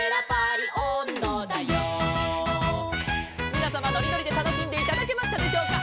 「みなさまのりのりでたのしんでいただけましたでしょうか」